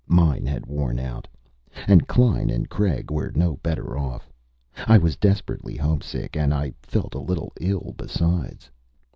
Mine had worn out. And Klein and Craig were no better off. I was desperately homesick, and I felt a little ill, besides.